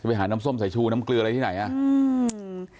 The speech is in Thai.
ไปหาน้ำส้มสายชูน้ำเกลืออะไรที่ไหนอ่ะอืม